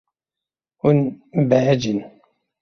Hûn behecîn.